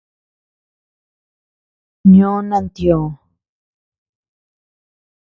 Ñoo nantioö.